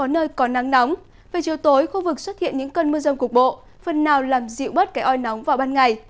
nơi có nắng nóng về chiều tối khu vực xuất hiện những cơn mưa rông cục bộ phần nào làm dịu bớt cái oi nóng vào ban ngày